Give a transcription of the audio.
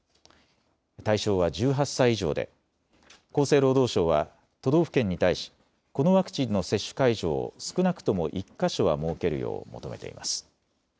対象は１８歳以上で厚生労働省は都道府県に対し、このワクチンの接種会場を少なくとも１か所は設けるよう求めています。